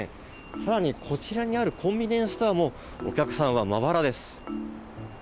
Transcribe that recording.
更にこちらにあるコンビニエンスストアもお客さんはまばらです。